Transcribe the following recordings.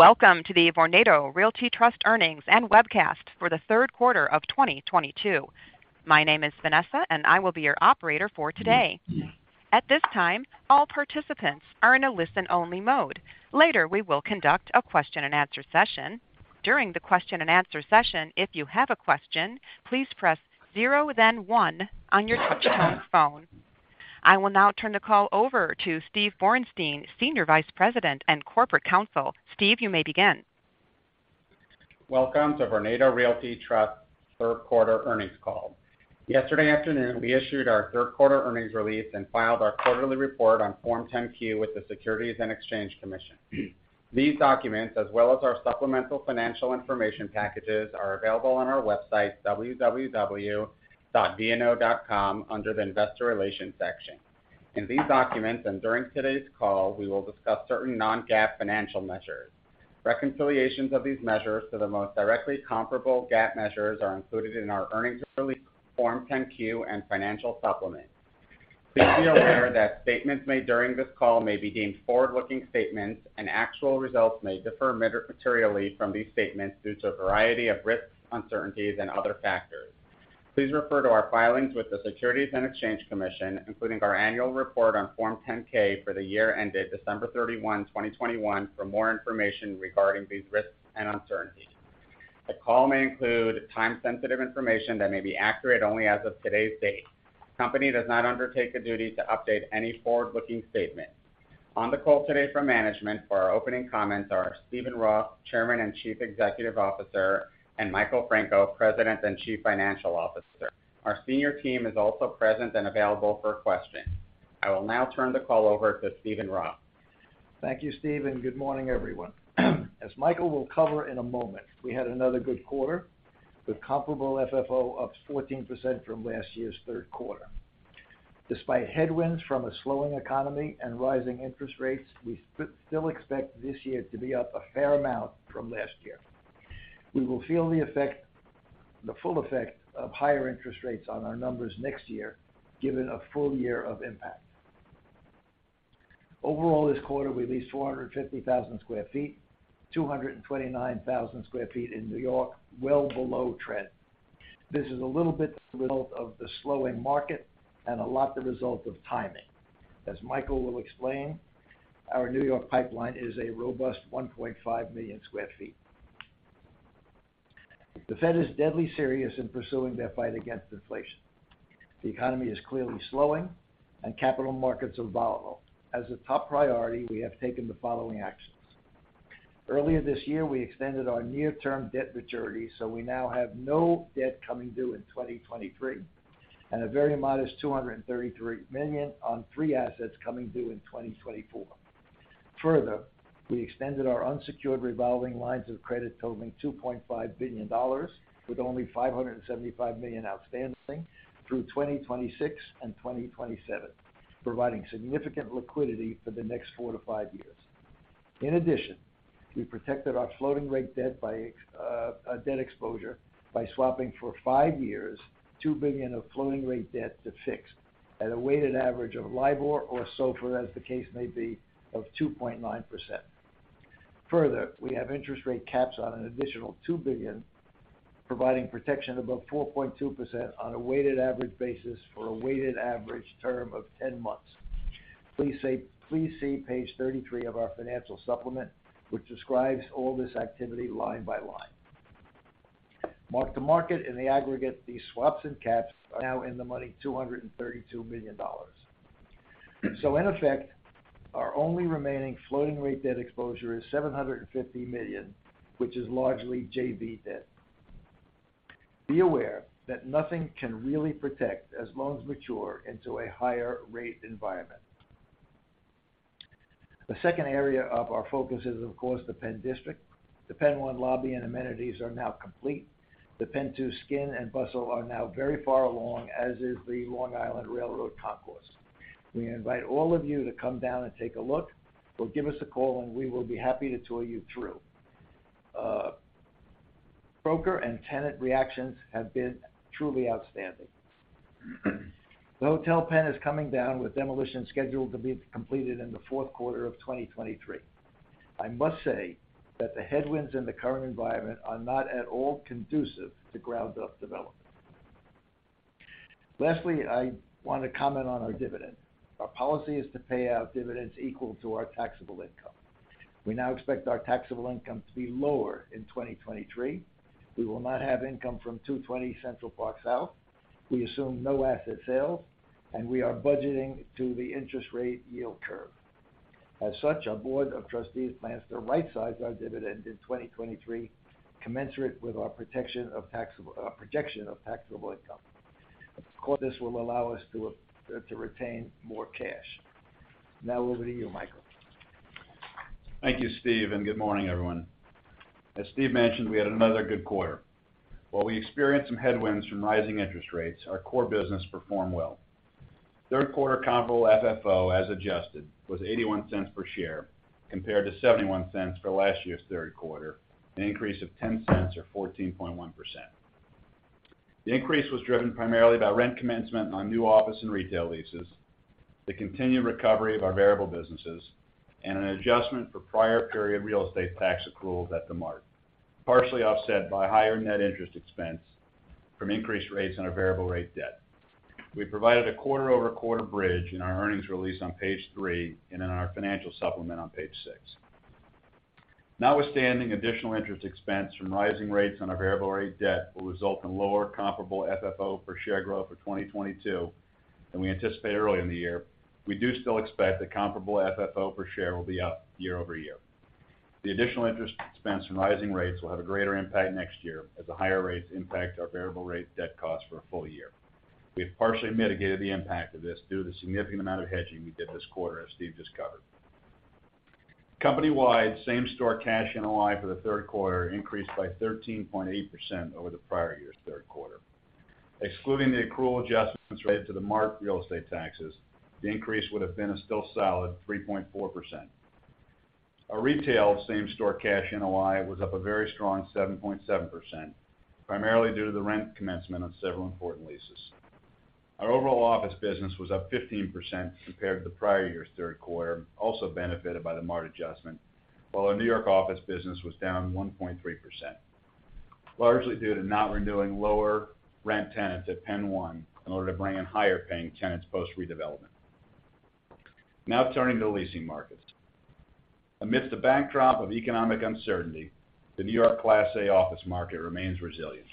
Welcome to the Vornado Realty Trust earnings and webcast for the third quarter of 2022. My name is Vanessa, and I will be your operator for today. At this time, all participants are in a listen-only mode. Later, we will conduct a question-and-answer session. During the question-and-answer session, if you have a question, please press zero then one on your touchtone phone. I will now turn the call over to Steven Borenstein, Senior Vice President and Corporate Counsel. Steve, you may begin. Welcome to Vornado Realty Trust third quarter earnings call. Yesterday afternoon, we issued our third quarter earnings release and filed our quarterly report on Form 10-Q with the Securities and Exchange Commission. These documents, as well as our supplemental financial information packages, are available on our website, www.vno.com, under the Investor Relations section. In these documents and during today's call, we will discuss certain non-GAAP financial measures. Reconciliations of these measures to the most directly comparable GAAP measures are included in our earnings release, Form 10-Q, and financial supplement. Please be aware that statements made during this call may be deemed forward-looking statements, and actual results may differ materially from these statements due to a variety of risks, uncertainties, and other factors. Please refer to our filings with the Securities and Exchange Commission, including our annual report on Form 10-K, for the year ended December 31, 2021 for more information regarding these risks and uncertainties. The call may include time-sensitive information that may be accurate only as of today's date. The company does not undertake a duty to update any forward-looking statement. On the call today from management for our opening comments are Steven Roth, Chairman and Chief Executive Officer, and Michael Franco, President and Chief Financial Officer. Our senior team is also present and available for questions. I will now turn the call over to Steven Roth. Thank you, Steve, and good morning, everyone. As Michael will cover in a moment, we had another good quarter with comparable FFO up 14% from last year's third quarter. Despite headwinds from a slowing economy and rising interest rates, we still expect this year to be up a fair amount from last year. We will feel the full effect of higher interest rates on our numbers next year, given a full year of impact. Overall, this quarter, we leased 450,000 sq ft, 229,000 sq ft in New York, well below trend. This is a little bit the result of the slowing market and a lot the result of timing. As Michael will explain, our New York pipeline is a robust 1.5 million sq ft. The Fed is deadly serious in pursuing their fight against inflation. The economy is clearly slowing, and capital markets are volatile. As a top priority, we have taken the following actions. Earlier this year, we extended our near-term debt maturity, so we now have no debt coming due in 2023 and a very modest $233 million on three assets coming due in 2024. Further, we extended our unsecured revolving lines of credit totaling $2.5 billion, with only $575 million outstanding through 2026 and 2027, providing significant liquidity for the next 4-5 years. In addition, we protected our floating rate debt by swapping for five years, $2 billion of floating rate debt to fix at a weighted average of LIBOR or SOFR, as the case may be, of 2.9%. Further, we have interest rate caps on an additional $2 billion, providing protection above 4.2% on a weighted average basis for a weighted average term of 10 months. Please see page 33 of our financial supplement, which describes all this activity line by line. Mark-to-market in the aggregate, these swaps and caps are now in the money $232 million. In effect, our only remaining floating rate debt exposure is $750 million, which is largely JV debt. Be aware that nothing can really protect as loans mature into a higher rate environment. The second area of our focus is, of course, the PENN DISTRICT. The PENN 1 Lobby and amenities are now complete. The PENN 2 Skin and bustle are now very far along, as is the Long Island Railroad Concourse. We invite all of you to come down and take a look or give us a call, and we will be happy to tour you through. Broker and tenant reactions have been truly outstanding. The Hotel PENN is coming down, with demolition scheduled to be completed in the fourth quarter of 2023. I must say that the headwinds in the current environment are not at all conducive to ground-up development. Lastly, I want to comment on our dividend. Our policy is to pay out dividends equal to our taxable income. We now expect our taxable income to be lower in 2023. We will not have income from 220 Central Park South. We assume no asset sales, and we are budgeting to the interest rate yield curve. As such, our board of trustees plans to right size our dividend in 2023, commensurate with our projection of taxable income. Of course, this will allow us to retain more cash. Now over to you, Michael. Thank you, Steve, and good morning, everyone. As Steve mentioned, we had another good quarter. While we experienced some headwinds from rising interest rates, our core business performed well. Third quarter comparable FFO, as adjusted, was $0.81 per share compared to $0.71 for last year's third quarter, an increase of $0.10 or 14.1%. The increase was driven primarily by rent commencement on new office and retail leases, the continued recovery of our variable businesses, and an adjustment for prior period real estate tax accruals at the Mart, partially offset by higher net interest expense from increased rates on our variable rate debt. We provided a quarter-over-quarter bridge in our earnings release on page three and in our financial supplement on page six. Notwithstanding additional interest expense from rising rates on our variable rate debt will result in lower comparable FFO per share growth for 2022 than we anticipate early in the year. We do still expect that comparable FFO per share will be up year-over-year. The additional interest expense from rising rates will have a greater impact next year as the higher rates impact our variable rate debt costs for a full year. We have partially mitigated the impact of this due to the significant amount of hedging we did this quarter, as Steve just covered. Company-wide same-store cash NOI for the third quarter increased by 13.8% over the prior year's third quarter. Excluding the accrual adjustments related to theMART real estate taxes, the increase would have been a still solid 3.4%. Our retail same-store cash NOI was up a very strong 7.7%, primarily due to the rent commencement on several important leases. Our overall office business was up 15% compared to the prior year's third quarter, also benefited by theMART adjustment, while our New York office business was down 1.3%, largely due to not renewing lower rent tenants at PENN One in order to bring in higher paying tenants post redevelopment. Now turning to leasing markets. Amidst the backdrop of economic uncertainty, the New York Class A office market remains resilient.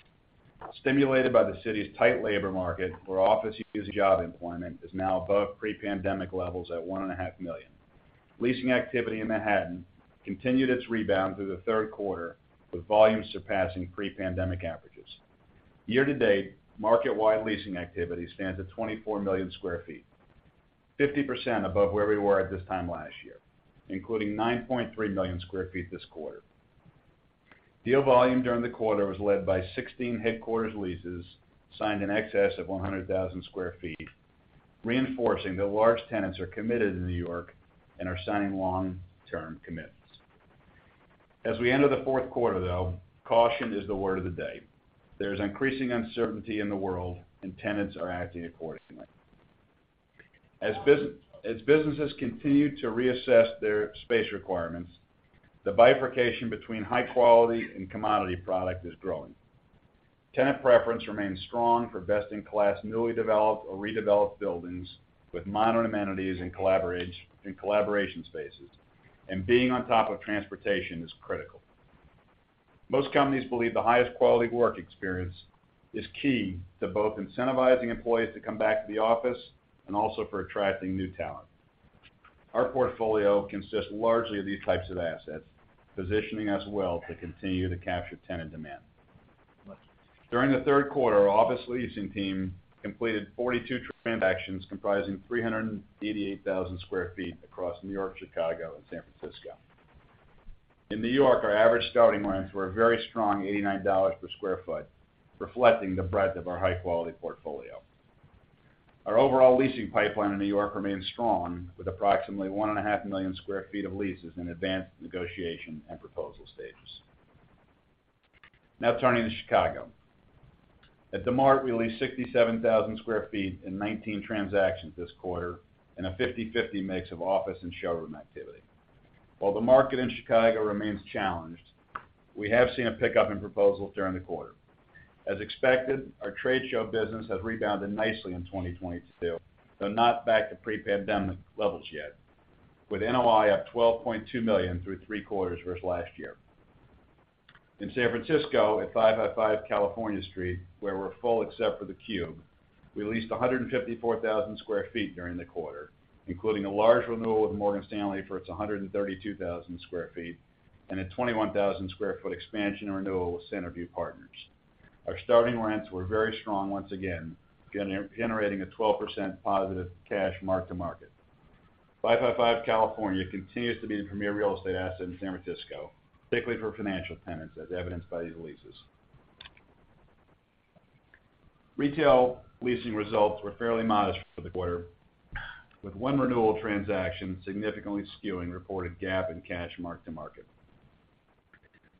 Stimulated by the city's tight labor market, where office user job employment is now above pre-pandemic levels at 1.5 million. Leasing activity in Manhattan continued its rebound through the third quarter, with volumes surpassing pre-pandemic averages. Year-to-date, market-wide leasing activity stands at 24 million sq ft, 50% above where we were at this time last year, including 9.3 million sq ft this quarter. Deal volume during the quarter was led by 16 headquarters leases signed in excess of 100,000 sq ft, reinforcing that large tenants are committed to New York and are signing long-term commitments. As we enter the fourth quarter though, caution is the word of the day. There is increasing uncertainty in the world, and tenants are acting accordingly. As businesses continue to reassess their space requirements, the bifurcation between high quality and commodity product is growing. Tenant preference remains strong for best-in-class newly developed or redeveloped buildings with modern amenities and collaboration spaces, and being on top of transportation is critical. Most companies believe the highest quality work experience is key to both incentivizing employees to come back to the office and also for attracting new talent. Our portfolio consists largely of these types of assets, positioning us well to continue to capture tenant demand. During the third quarter, our office leasing team completed 42 transactions comprising 388,000 sq ft across New York, Chicago, and San Francisco. In New York, our average starting rents were a very strong $89 per sq ft, reflecting the breadth of our high-quality portfolio. Our overall leasing pipeline in New York remains strong, with approximately 1.5 million sq ft of leases in advanced negotiation and proposal stages. Now turning to Chicago. At the Mart, we leased 67,000 sq ft in 19 transactions this quarter in a 50-50 mix of office and showroom activity. While the market in Chicago remains challenged, we have seen a pickup in proposals during the quarter. As expected, our trade show business has rebounded nicely in 2022, though not back to pre-pandemic levels yet, with NOI up $12.2 million through three quarters versus last year. In San Francisco, at 555 California Street, where we're full except for the Cube, we leased 154,000 sq ft during the quarter, including a large renewal of Morgan Stanley for its 132,000 sq ft and a 21,000 sq ft expansion renewal with Centerview Partners. Our starting rents were very strong once again, generating a 12% positive cash mark-to-market. 555 California continues to be the premier real estate asset in San Francisco, particularly for financial tenants as evidenced by these leases. Retail leasing results were fairly modest for the quarter, with one renewal transaction significantly skewing reported GAAP and cash mark-to-market.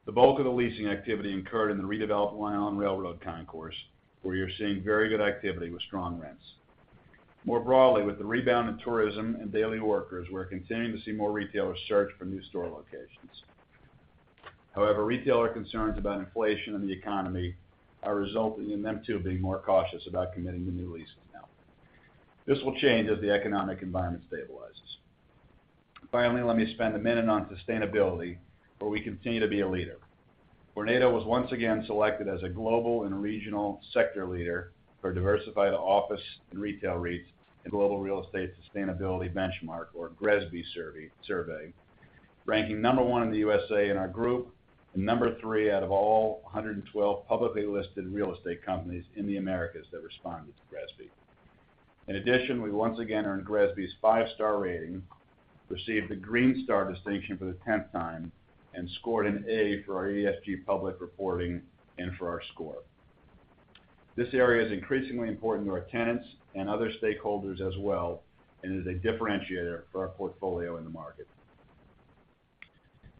The bulk of the leasing activity occurred in the redeveloped Union Railroad Concourse, where you're seeing very good activity with strong rents. More broadly, with the rebound in tourism and daily workers, we're continuing to see more retailers search for new store locations. However, retailer concerns about inflation and the economy are resulting in them too being more cautious about committing to new leases now. This will change as the economic environment stabilizes. Finally, let me spend a minute on sustainability, where we continue to be a leader. Vornado was once again selected as a global and regional sector leader for diversified office and retail REITs in Global Real Estate Sustainability Benchmark, or GRESB survey, ranking number 1 in the USA in our group and number three out of all 112 publicly listed real estate companies in the Americas that responded to GRESB. In addition, we once again earned GRESB's five-star rating, received the Green Star distinction for the tenth time, and scored an A for our ESG public reporting and for our score. This area is increasingly important to our tenants and other stakeholders as well, and is a differentiator for our portfolio in the market.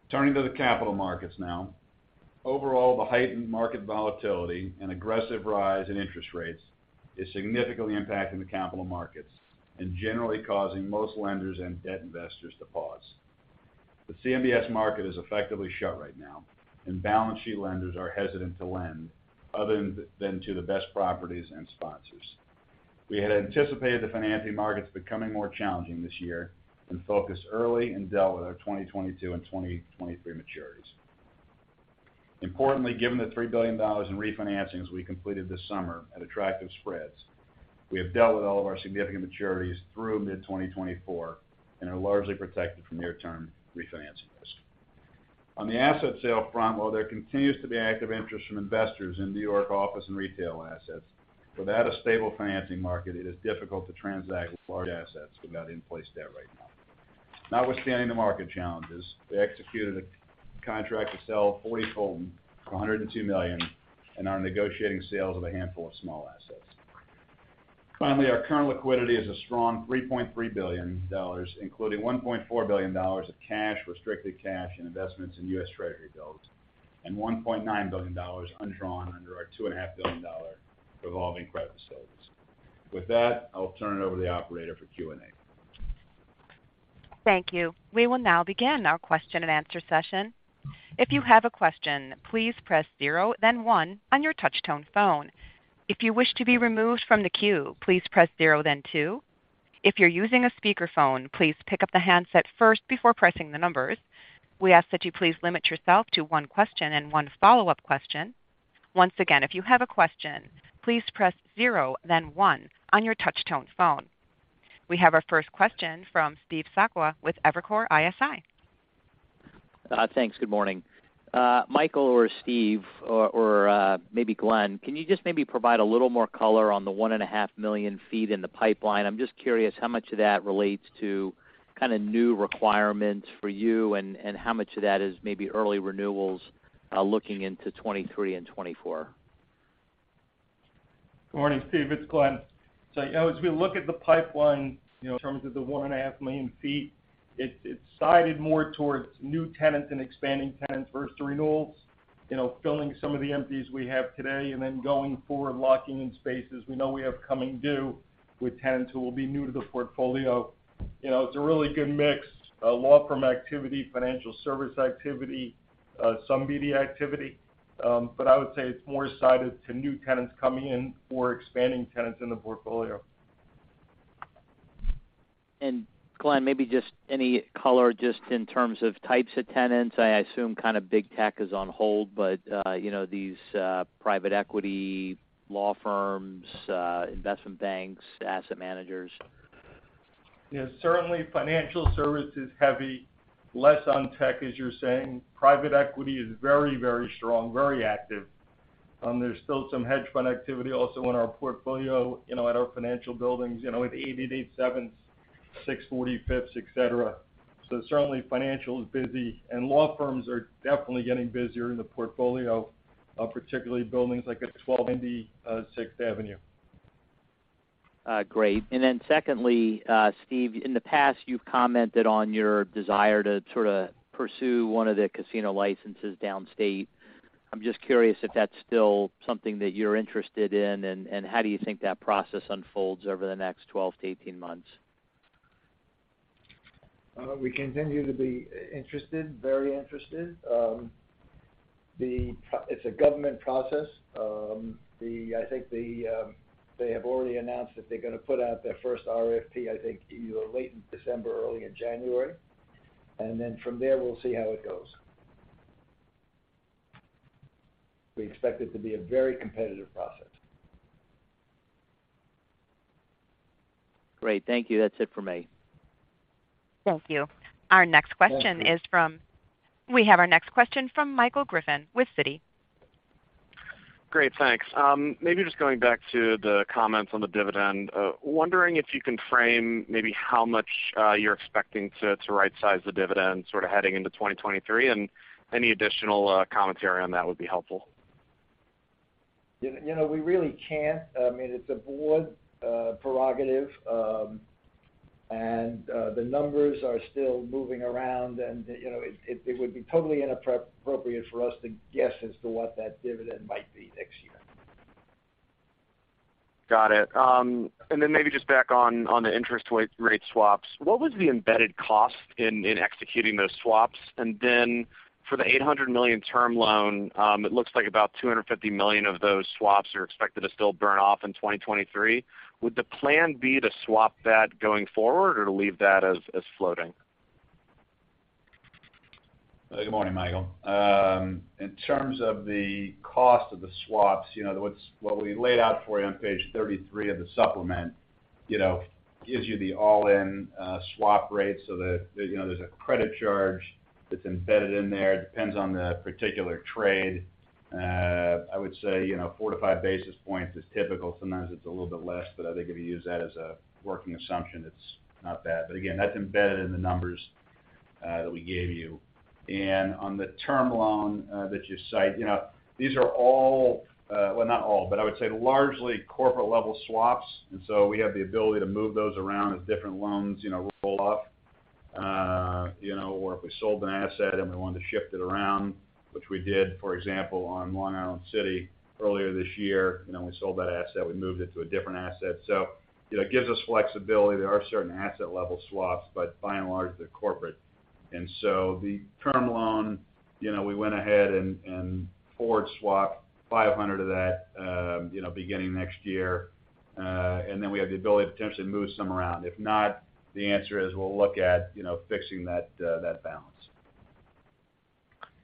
Turning to the capital markets now. Overall, the heightened market volatility and aggressive rise in interest rates is significantly impacting the capital markets and generally causing most lenders and debt investors to pause. The CMBS market is effectively shut right now, and balance sheet lenders are hesitant to lend other than to the best properties and sponsors. We had anticipated the financing markets becoming more challenging this year and focused early and dealt with our 2022 and 2023 maturities. Importantly, given the $3 billion in refinancings we completed this summer at attractive spreads, we have dealt with all of our significant maturities through mid-2024 and are largely protected from near-term refinancing risk. On the asset sale front, while there continues to be active interest from investors in New York office and retail assets, without a stable financing market, it is difficult to transact with large assets without in-place debt right now. Notwithstanding the market challenges, we executed a contract to sell 40 Fulton for $102 million and are negotiating sales of a handful of small assets. Finally, our current liquidity is a strong $3.3 billion, including $1.4 billion of cash, restricted cash, and investments in U.S. Treasury bills, and $1.9 billion undrawn under our $2.5 billion revolving credit facilities. With that, I'll turn it over to the operator for Q&A. Thank you. We will now begin our question-and-answer session. If you have a question, please press zero then one on your touch-tone phone. If you wish to be removed from the queue, please press zero then two. If you're using a speakerphone, please pick up the handset first before pressing the numbers. We ask that you please limit yourself to one question and one follow-up question. Once again, if you have a question, please press zero, then one on your touch-tone phone. We have our first question from Steve Sakwa with Evercore ISI. Thanks. Good morning. Michael or Steve or maybe Glenn, can you just maybe provide a little more color on the 1.5 million sq ft in the pipeline? I'm just curious how much of that relates to kinda new requirements for you, and how much of that is maybe early renewals looking into 2023 and 2024. Good morning, Steve. It's Glenn. You know, as we look at the pipeline, you know, in terms of the 1.5 million sq ft, it's sided more towards new tenants and expanding tenants versus renewals. You know, filling some of the empties we have today, and then going forward, locking in spaces we know we have coming due with tenants who will be new to the portfolio. You know, it's a really good mix of law firm activity, financial service activity, some media activity. I would say it's more sided to new tenants coming in or expanding tenants in the portfolio. Glenn, maybe just any color just in terms of types of tenants. I assume kind of big tech is on hold, but you know, these private equity law firms, investment banks, asset managers. Yeah. Certainly, financial services heavy, less on tech, as you're saying. Private equity is very, very strong, very active. There's still some hedge fund activity also in our portfolio, you know, at our financial buildings, you know, with 888 Seventh Avenue, 645 Madison Avenue, et cetera. Certainly financial is busy, and law firms are definitely getting busier in the portfolio, particularly buildings like at 1290 Avenue of the Americas, Sixth Avenue. Great. Secondly, Steve, in the past, you've commented on your desire to sort of pursue one of the casino licenses downstate. I'm just curious if that's still something that you're interested in, and how do you think that process unfolds over the next 12-18 months? We continue to be interested, very interested. It's a government process. I think they have already announced that they're gonna put out their first RFP, I think, either late in December or early in January. Then from there, we'll see how it goes. We expect it to be a very competitive process. Great. Thank you. That's it for me. Thank you. Our next question is from- Thank you. We have our next question from Michael Griffin with Citi. Great. Thanks. Maybe just going back to the comments on the dividend. Wondering if you can frame maybe how much you're expecting to right-size the dividend sort of heading into 2023, and any additional commentary on that would be helpful. You know, we really can't. I mean, it's a board prerogative, and the numbers are still moving around, and, you know, it would be totally inappropriate for us to guess as to what that dividend might be next year. Got it. Maybe just back on the interest rate swaps. What was the embedded cost in executing those swaps? For the $800 million term loan, it looks like about $250 million of those swaps are expected to still burn off in 2023. Would the plan be to swap that going forward or to leave that as floating? Good morning, Michael. In terms of the cost of the swaps, you know, what we laid out for you on page 33 of the supplement, you know, gives you the all-in swap rate so that, you know, there's a credit charge that's embedded in there. It depends on the particular trade. I would say, you know, 4-5 basis points is typical. Sometimes it's a little bit less, but I think if you use that as a working assumption, it's not bad. But again, that's embedded in the numbers that we gave you. On the term loan that you cite, you know, these are all, well, not all, but I would say largely corporate-level swaps. We have the ability to move those around as different loans, you know, roll off. You know, or if we sold an asset and we wanted to shift it around, which we did, for example, on Long Island City earlier this year, you know, we sold that asset, we moved it to a different asset. You know, it gives us flexibility. There are certain asset-level swaps, but by and large, they're corporate. The term loan, you know, we went ahead and forward swap $500 of that, you know, beginning next year. We have the ability to potentially move some around. If not, the answer is we'll look at, you know, fixing that balance.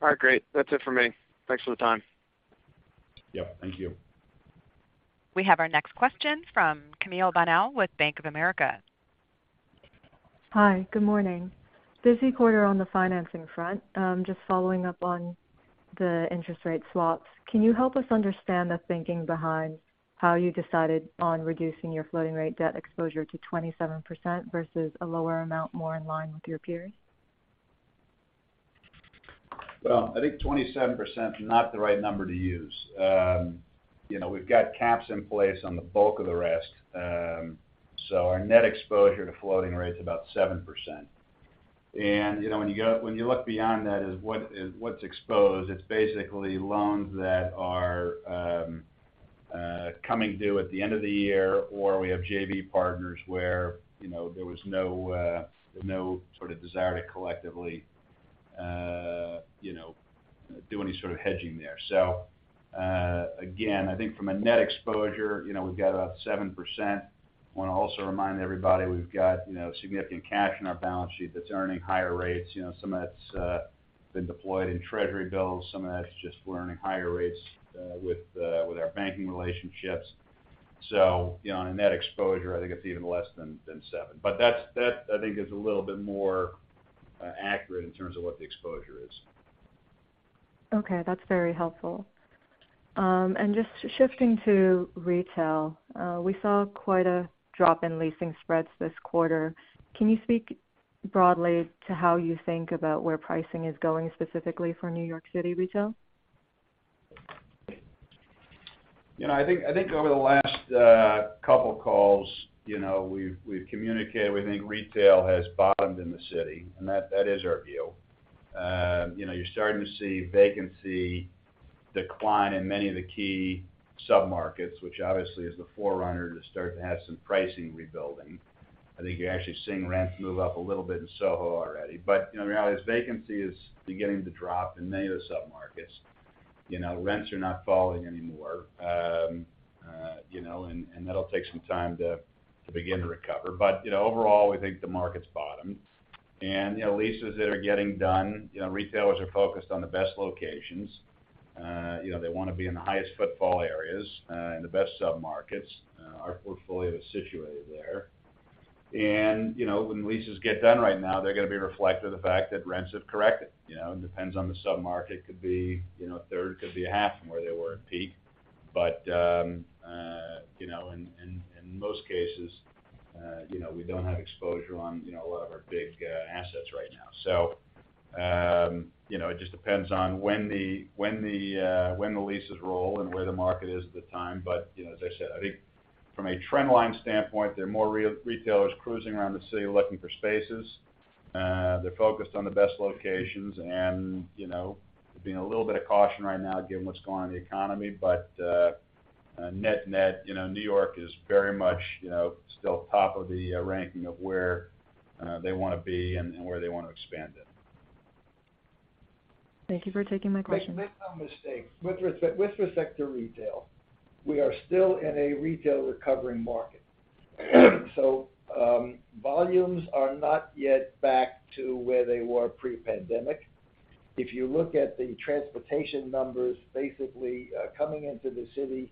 All right, great. That's it for me. Thanks for the time. Yep. Thank you. We have our next question from Caitlin Burrows with Bank of America. Hi. Good morning. Busy quarter on the financing front. Just following up on the interest rate swaps. Can you help us understand the thinking behind how you decided on reducing your floating rate debt exposure to 27% versus a lower amount more in line with your peers? Well, I think 27% is not the right number to use. You know, we've got caps in place on the bulk of the rest. So our net exposure to floating rate is about 7%. You know, when you look beyond that is what's exposed, it's basically loans that are coming due at the end of the year, or we have JV partners where, you know, there was no sort of desire to collectively, you know, do any sort of hedging there. So, again, I think from a net exposure, you know, we've got about 7%. I wanna also remind everybody, we've got, you know, significant cash in our balance sheet that's earning higher rates. You know, some of that's been deployed in Treasury bills, some of that's just, we're earning higher rates with our banking relationships. You know, on net exposure, I think it's even less than seven. That, I think, is a little bit more accurate in terms of what the exposure is. Okay, that's very helpful. Just shifting to retail. We saw quite a drop in leasing spreads this quarter. Can you speak broadly to how you think about where pricing is going, specifically for New York City retail? You know, I think over the last couple calls, you know, we've communicated, we think retail has bottomed in the city, and that is our view. You know, you're starting to see vacancy decline in many of the key sub-markets, which obviously is the forerunner to start to have some pricing rebuilding. I think you're actually seeing rents move up a little bit in SoHo already. You know, the reality is vacancy is beginning to drop in many of the sub-markets. You know, rents are not falling anymore, and that'll take some time to begin to recover. You know, overall, we think the market's bottomed. You know, leases that are getting done, retailers are focused on the best locations. You know, they wanna be in the highest footfall areas in the best sub-markets. Our portfolio is situated there. You know, when leases get done right now, they're gonna be reflective of the fact that rents have corrected. You know, it depends on the sub-market. Could be, you know, a third, could be a half from where they were at peak. You know, in most cases, you know, we don't have exposure on a lot of our big assets right now. You know, it just depends on when the leases roll and where the market is at the time. You know, as I said, I think from a trend line standpoint, there are more retailers cruising around the city looking for spaces. They're focused on the best locations and, you know, being a little bit cautious right now given what's going on in the economy. Net-net, you know, New York is very much, you know, still top of the ranking of where they wanna be and where they want to expand in. Thank you for taking my question. Make no mistake. With respect to retail, we are still in a retail recovering market. Volumes are not yet back to where they were pre-pandemic. If you look at the transportation numbers, basically, coming into the city,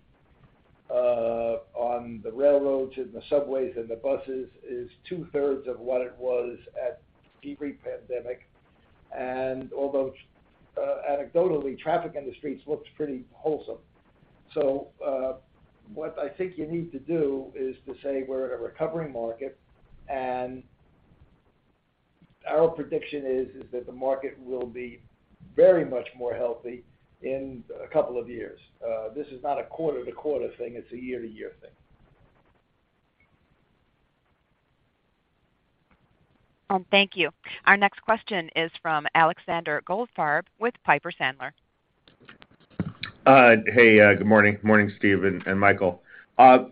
on the railroads and the subways and the buses is two-thirds of what it was pre-pandemic. Although anecdotally, traffic in the streets looks pretty whole. What I think you need to do is to say we're in a recovering market, and our prediction is that the market will be very much more healthy in a couple of years. This is not a quarter-to-quarter thing, it's a year-to-year thing. Thank you. Our next question is from Alexander Goldfarb with Piper Sandler. Good morning. Morning, Steve and Michael.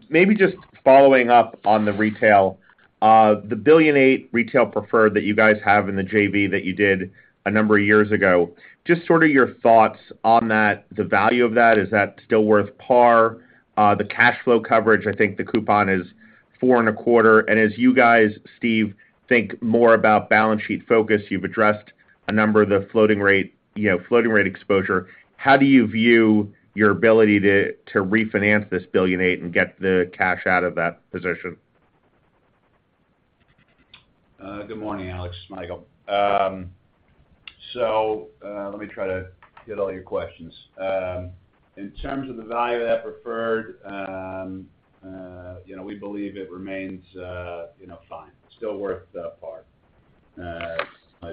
Maybe just following up on the retail. The $1.8 billion retail preferred that you guys have in the JV that you did a number of years ago, just sort of your thoughts on that, the value of that. Is that still worth par? The cash flow coverage, I think the coupon is 4.25%. As you guys, Steve, think more about balance sheet focus, you've addressed a number of the floating rate, you know, floating rate exposure. How do you view your ability to refinance this $1.8 billion and get the cash out of that position? Good morning, Alex. Michael. Let me try to get all your questions. In terms of the value of that preferred, you know, we believe it remains, you know, fine. Still worth the par.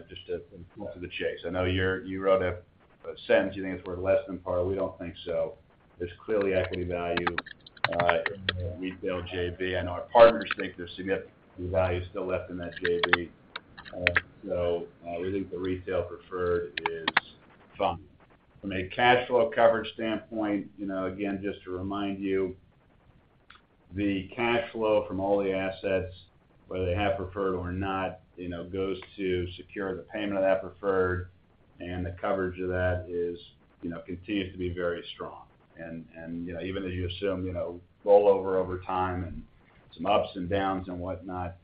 Just to cut to the chase. I know you wrote a sentence you think it's worth less than par. We don't think so. There's clearly equity value in the retail JV. I know our partners think there's significant value still left in that JV. We think the retail preferred is fine. From a cash flow coverage standpoint, you know, again, just to remind you, the cash flow from all the assets, whether they have preferred or not, you know, goes to secure the payment of that preferred, and the coverage of that, you know, continues to be very strong. You know, even though you assume, you know, rollover over time and some ups and downs and whatnot,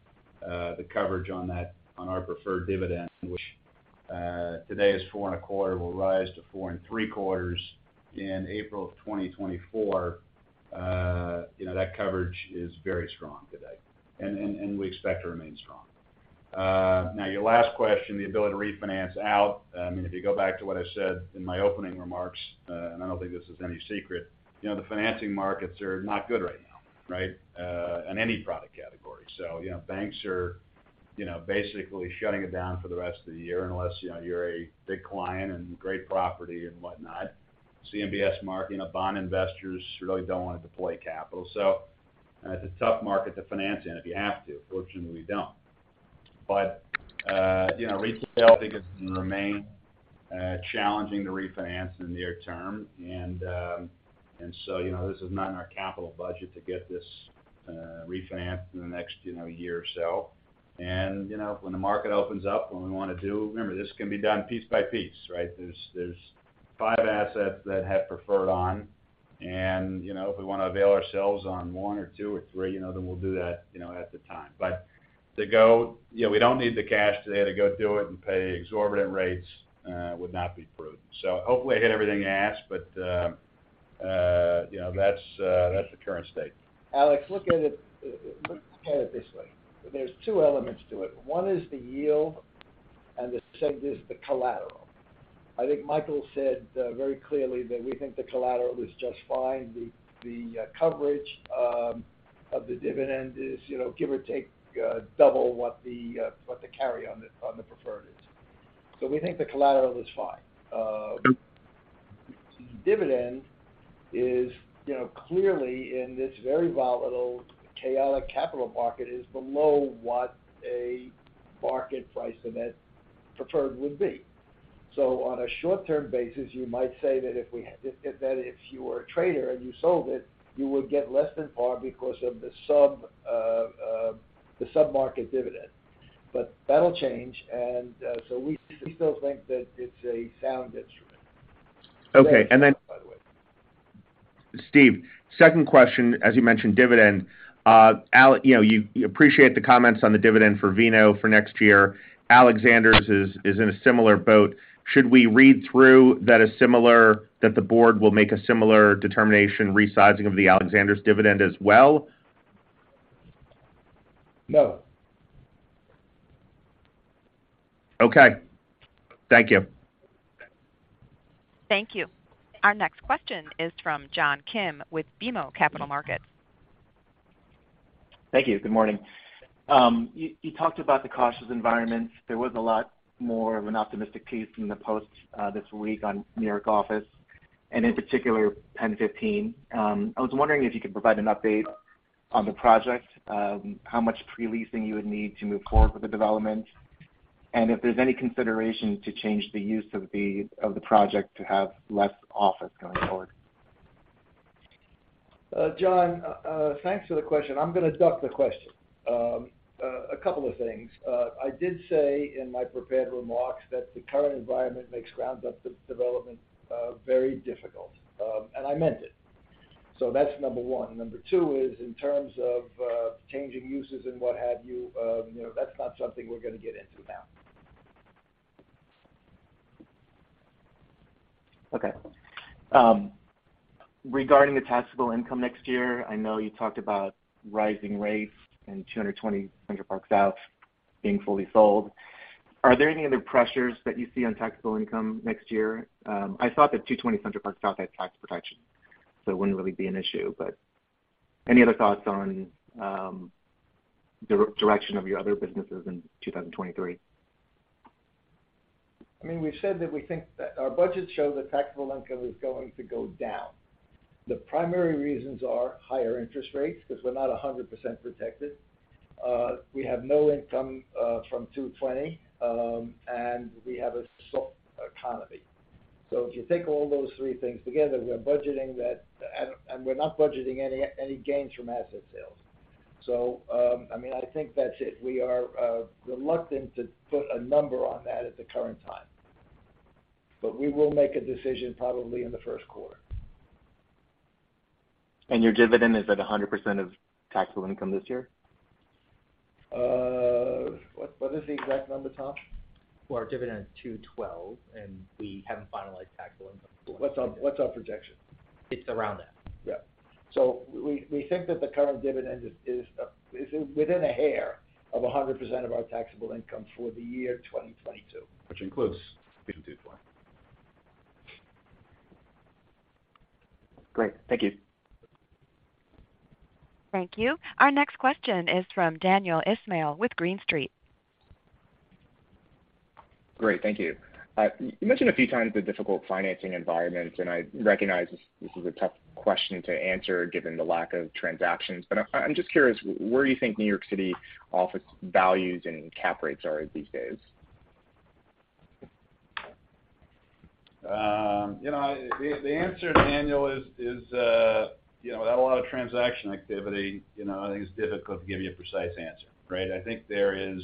the coverage on our preferred dividend, which today is 4.25, will rise to 4.75 in April of 2024. You know, that coverage is very strong today, and we expect to remain strong. Now your last question, the ability to refinance out. I mean, if you go back to what I said in my opening remarks, and I don't think this is any secret, you know, the financing markets are not good right now, right? In any product category. You know, banks are, you know, basically shutting it down for the rest of the year unless, you know, you're a big client and great property and whatnot. CMBS market, you know, bond investors really don't want to deploy capital. It's a tough market to finance in if you have to. Fortunately, we don't. You know, retail, I think it's gonna remain challenging to refinance in the near term. You know, this is not in our capital budget to get this refinanced in the next, you know, year or so. You know, when the market opens up, when we want to do. Remember, this can be done piece by piece, right? There's five assets that have preferred on. You know, if we want to avail ourselves of one or two or three, you know, then we'll do that, you know, at the time. To go. You know, we don't need the cash today to go do it and pay exorbitant rates would not be prudent. Hopefully, I hit everything you asked, but you know, that's the current state. Alex, look at it this way. There's two elements to it. One is the yield, and the second is the collateral. I think Michael said very clearly that we think the collateral is just fine. The coverage of the dividend is, you know, give or take, double what the carry on the preferred is. We think the collateral is fine. The dividend is, you know, clearly in this very volatile, chaotic capital market, is below what a market price of that preferred would be. On a short-term basis, you might say that if you were a trader, and you sold it, you would get less than par because of the sub-market dividend. That'll change. We still think that it's a sound instrument. Okay. By the way. Steve, second question, as you mentioned, dividend. You know, we appreciate the comments on the dividend for Vornado for next year. Alexander's is in a similar boat. Should we read through that the board will make a similar determination resizing of the Alexander's dividend as well? No. Okay. Thank you. Thank you. Our next question is from John Kim with BMO Capital Markets. Thank you. Good morning. You talked about the cautious environments. There was a lot more of an optimistic piece in the post this week on New York Office and in particular 1015. I was wondering if you could provide an update on the project, how much pre-leasing you would need to move forward with the development, and if there's any consideration to change the use of the project to have less office going forward. John, thanks for the question. I'm gonna duck the question. A couple of things. I did say in my prepared remarks that the current environment makes ground-up de-development very difficult. I meant it. That's number one. Number two is in terms of changing uses and what have you know, that's not something we're gonna get into now. Okay. Regarding the taxable income next year, I know you talked about rising rates and 220 Central Park South being fully sold. Are there any other pressures that you see on taxable income next year? I thought that 220 Central Park South had tax protection, so it wouldn't really be an issue. Any other thoughts on direction of your other businesses in 2023? I mean, we've said that we think that our budgets show that taxable income is going to go down. The primary reasons are higher interest rates because we're not 100% protected. We have no income from 220, and we have a soft economy. If you take all those three things together, we are budgeting that. We're not budgeting any gains from asset sales. I mean, I think that's it. We are reluctant to put a number on that at the current time. We will make a decision probably in the first quarter. Your dividend is at 100% of taxable income this year? What is the exact number, Tom? Well, our dividend is $2.12, and we haven't finalized taxable income. What's our projection? It's around that. Yeah. We think that the current dividend is within a hair of 100% of our taxable income for the year 2022. Which includes 220. Great. Thank you. Thank you. Our next question is from Daniel Ismail with Green Street. Great. Thank you. You mentioned a few times the difficult financing environment, and I recognize this is a tough question to answer given the lack of transactions. I'm just curious, where you think New York City office values and cap rates are these days? The answer, Daniel, is you know, without a lot of transaction activity, you know, I think it's difficult to give you a precise answer, right? I think there is.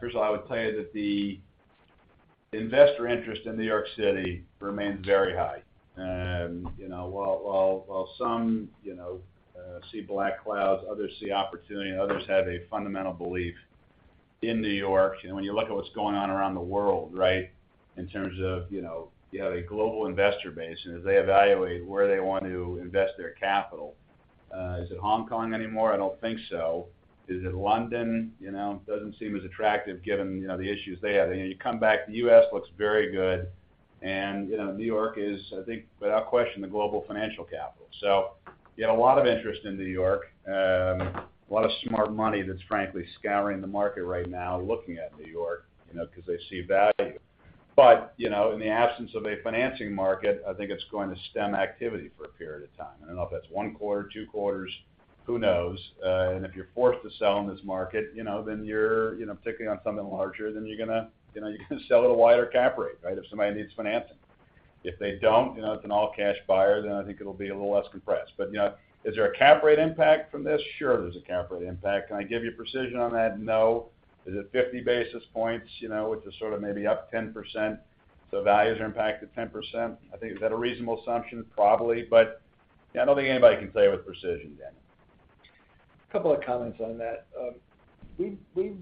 First of all, I would tell you that the investor interest in New York City remains very high. You know, while some, you know, see black clouds, others see opportunity, and others have a fundamental belief in New York. You know, when you look at what's going on around the world, right? In terms of, you know, you have a global investor base, and as they evaluate where they want to invest their capital, is it Hong Kong anymore? I don't think so. Is it London? You know, it doesn't seem as attractive given, you know, the issues they have. You know, you come back to the U.S. looks very good. You know, New York is, I think, without question, the global financial capital. You know, a lot of interest in New York. A lot of smart money that's frankly scouring the market right now, looking at New York, you know, 'cause they see value. You know, in the absence of a financing market, I think it's going to stem activity for a period of time. I don't know if that's one quarter, two quarters, who knows? If you're forced to sell in this market, you know, then you're, you know, particularly on something larger, then you're gonna sell at a wider cap rate, right? If somebody needs financing. If they don't, you know, it's an all-cash buyer, then I think it'll be a little less compressed. You know, is there a cap rate impact from this? Sure, there's a cap rate impact. Can I give you precision on that? No. Is it 50 basis points, you know, which is sort of maybe up 10%, so values are impacted 10%. I think, is that a reasonable assumption? Probably. I don't think anybody can tell you with precision, Daniel. A couple of comments on that. We've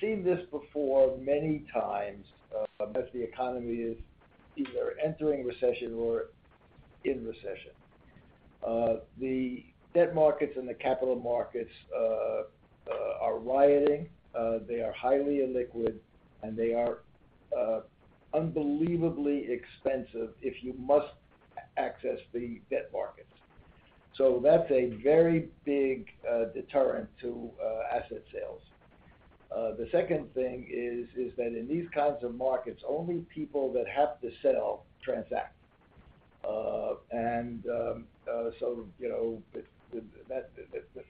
seen this before many times, as the economy is either entering recession or in recession. The debt markets and the capital markets are tightening, they are highly illiquid, and they are unbelievably expensive if you must access the debt markets. That's a very big deterrent to asset sales. The second thing is that in these kinds of markets, only people that have to sell transact. You know,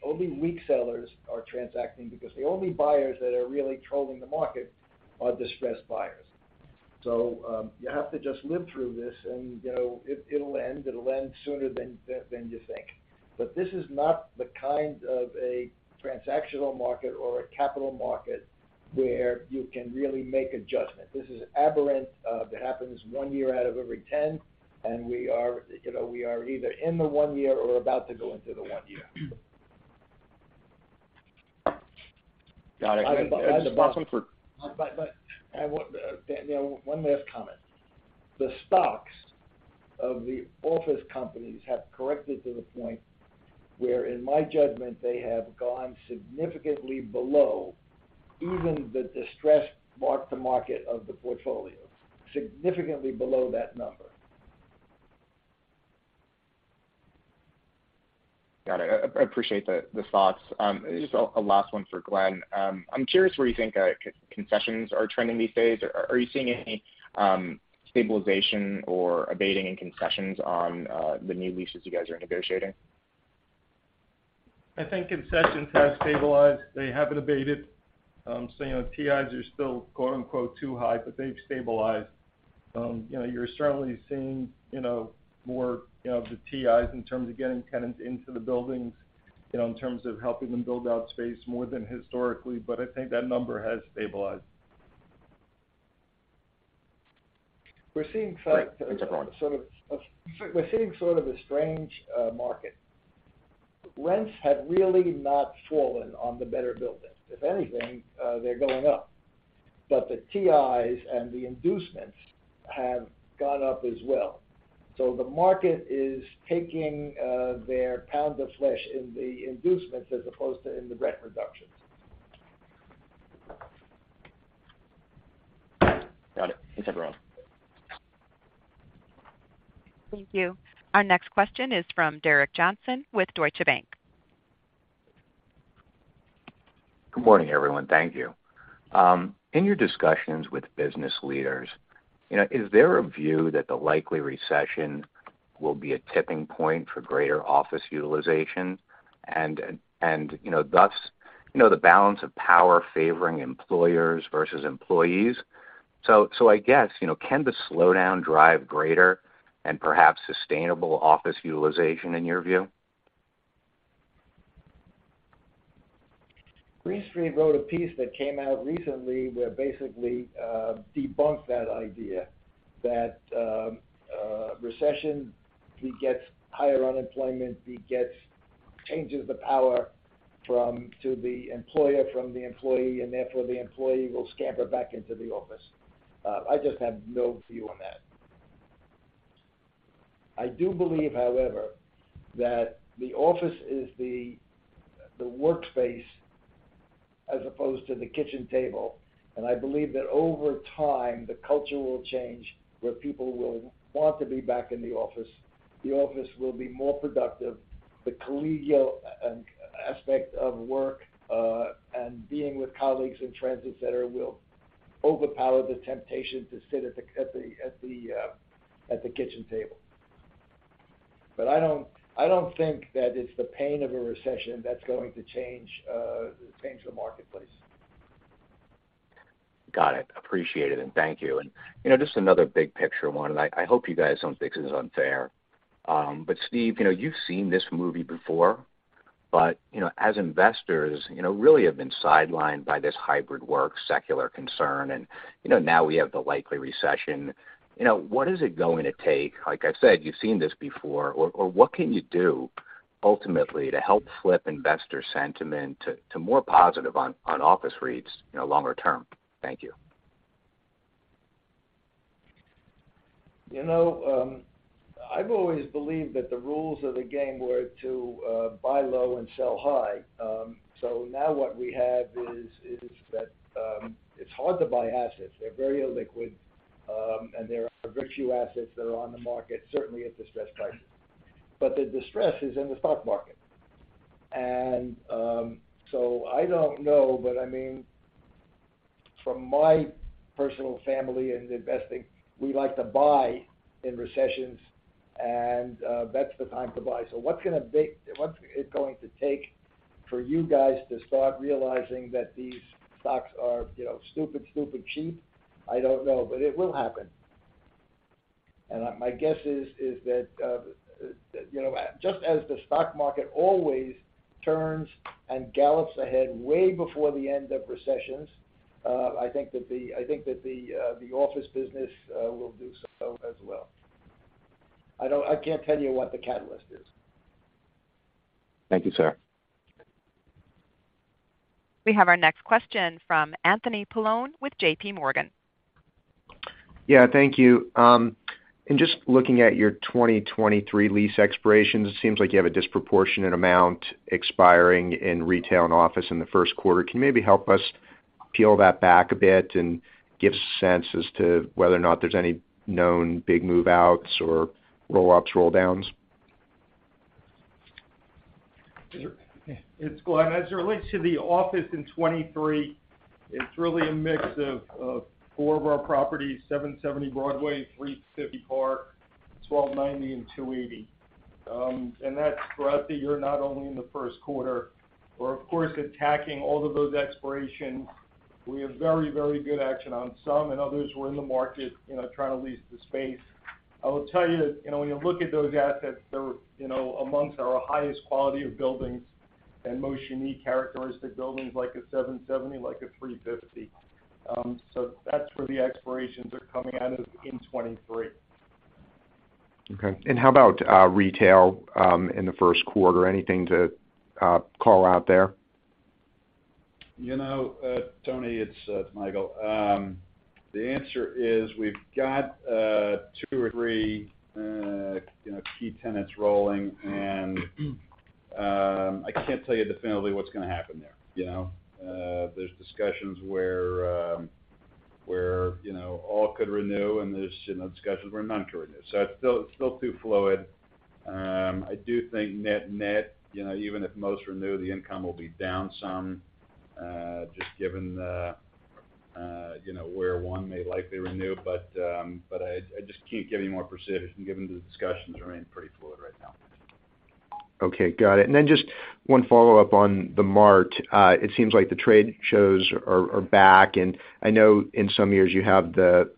only weak sellers are transacting because the only buyers that are really trolling the market are distressed buyers. You have to just live through this and, you know, it'll end. It'll end sooner than you think. This is not the kind of a transactional market or a capital market where you can really make adjustment. This is an aberrant that happens one year out of every ten, and we are, you know, either in the one year or about to go into the one year. Got it. I have a- Just last one for- I want Daniel, one last comment. The stocks of the office companies have corrected to the point where, in my judgment, they have gone significantly below even the distressed mark-to-market of the portfolio. Significantly below that number. Got it. I appreciate the thoughts. Just a last one for Glenn. I'm curious where you think concessions are trending these days. Are you seeing any stabilization or abating in concessions on the new leases you guys are negotiating? I think concessions have stabilized. They haven't abated. You know, TIs are still quote-unquote too high, but they've stabilized. You know, you're certainly seeing, you know, more, you know, of the TIs in terms of getting tenants into the buildings, you know, in terms of helping them build out space more than historically, but I think that number has stabilized. We're seeing sort of. Great. Thanks, everyone. We're seeing sort of a strange market. Rents have really not fallen on the better buildings. If anything, they're going up. But the TIs and the inducements have gone up as well. The market is taking their pound of flesh in the inducements as opposed to in the rent reductions. Got it. Thanks, everyone. Thank you. Our next question is from Derek Johnston with Deutsche Bank. Good morning, everyone. Thank you. In your discussions with business leaders, you know, is there a view that the likely recession will be a tipping point for greater office utilization and, you know, thus, you know, the balance of power favoring employers versus employees? I guess, you know, can the slowdown drive greater and perhaps sustainable office utilization in your view? Green Street wrote a piece that came out recently that basically debunked that idea that a recession begets higher unemployment, begets changes of power from the employee to the employer, and therefore, the employee will scamper back into the office. I just have no view on that. I do believe, however, that the office is the workspace as opposed to the kitchen table. I believe that over time, the culture will change, where people will want to be back in the office. The office will be more productive. The collegial aspect of work and being with colleagues in person will overpower the temptation to sit at the kitchen table. I don't think that it's the pain of a recession that's going to change the marketplace. Got it. Appreciate it, and thank you. You know, just another big picture one, and I hope you guys don't think this is unfair. Steve, you know, you've seen this movie before. You know, as investors, you know, really have been sidelined by this hybrid work, secular concern. You know, now we have the likely recession. You know, what is it going to take? Like I said, you've seen this before. Or what can you do ultimately to help flip investor sentiment to more positive on office REITs, you know, longer term? Thank you. You know, I've always believed that the rules of the game were to buy low and sell high. Now what we have is that it's hard to buy assets. They're very illiquid, and there are very few assets that are on the market, certainly at distressed prices. The distress is in the stock market. I don't know, but I mean, from my personal family and investing, we like to buy in recessions, and that's the time to buy. What's it going to take for you guys to start realizing that these stocks are, you know, stupid, super cheap? I don't know, but it will happen. My guess is that, you know, just as the stock market always turns and gallops ahead way before the end of recessions, I think that the office business will do so as well. I can't tell you what the catalyst is. Thank you, sir. We have our next question from Anthony Paolone with JPMorgan. Yeah, thank you. In just looking at your 2023 lease expirations, it seems like you have a disproportionate amount expiring in retail and office in the first quarter. Can you maybe help us peel that back a bit and give sense as to whether or not there's any known big move-outs or roll-ups, roll-downs? As it relates to the office in 2023, it's really a mix of four of our properties, 777 Broadway, 350 Park Avenue, 1290 Avenue of the Americas, and 280 Park Avenue. And that's throughout the year, not only in the first quarter. We're, of course, attacking all of those expirations. We have very, very good action on some and others who are in the market, you know, trying to lease the space. I will tell you that, you know, when you look at those assets, they're, you know, among our highest quality of buildings and most unique characteristic buildings like a 777, like a 350. So that's where the expirations are coming out of in 2023. Okay. How about retail in the first quarter? Anything to call out there? You know, Anthony, it's Michael. The answer is, we've got two or three, you know, key tenants rolling, and I can't tell you definitively what's gonna happen there, you know. There's discussions where, you know, all could renew, and there's, you know, discussions where none could renew. It's still too fluid. I do think net-net, you know, even if most renew, the income will be down some, just given the, you know, where one may likely renew. I just can't give any more precision given the discussions remain pretty fluid right now. Okay. Got it. Just one follow-up on The Mart. It seems like the trade shows are back, and I know in some years you have the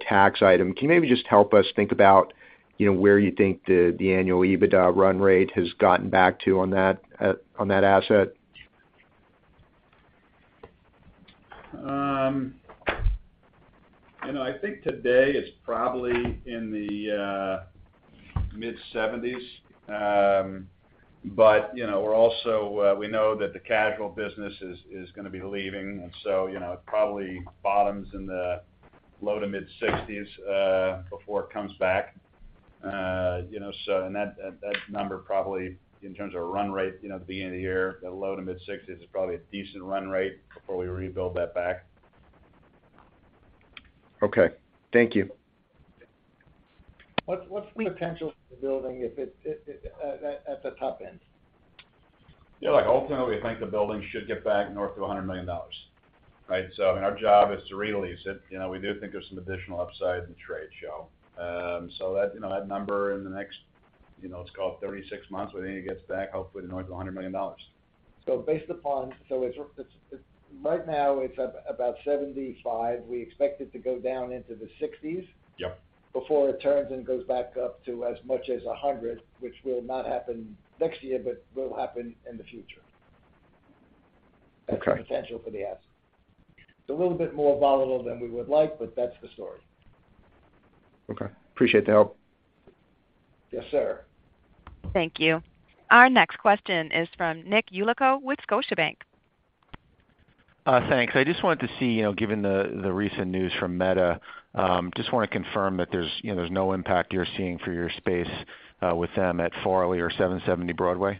tax item. Can you maybe just help us think about where you think the annual EBITDA run rate has gotten back to on that asset? You know, I think today it's probably in the mid-70s%. But you know, we also know that the Casual Market is gonna be leaving. You know, it probably bottoms in the low-to-mid 60s% before it comes back. You know, that number probably in terms of run rate, you know, at the beginning of the year, the low-to-mid 60s% is probably a decent run rate before we rebuild that back. Okay. Thank you. What's the potential of the building if it's at the top end? Yeah. Like, ultimately, I think the building should get back north of $100 million, right? I mean, our job is to re-lease it. You know, we do think there's some additional upside in trade show. So that, you know, that number in the next, you know, let's call it 36 months, we think it gets back hopefully north of $100 million. It's right now at about 75. We expect it to go down into the 60s. Yep. Before it turns and goes back up to as much as 100, which will not happen next year, but will happen in the future. Okay. That's the potential for the asset. It's a little bit more volatile than we would like, but that's the story. Okay. Appreciate the help. Yes, sir. Thank you. Our next question is from Nicholas Yulico with Scotiabank. Thanks. I just wanted to see, you know, given the recent news from Meta, just wanna confirm that there's, you know, no impact you're seeing for your space with them at Farley or 770 Broadway.